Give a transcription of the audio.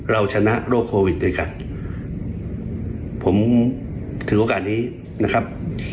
เราชนะโรคโควิดด้วยกันผมถือโอกาสนี้นะครับ